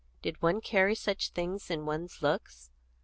Did one carry such a thing in one's looks?